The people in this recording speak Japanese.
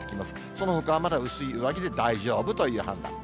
そのほかはまだ薄い上着で大丈夫という判断。